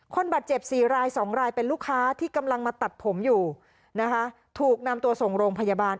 คนบาดเจ็บ๔ราย๒รายเป็นลูกค้าที่กำลังมาตัดผมอยู่นะคะถูกนำตัวส่งโรงพยาบาล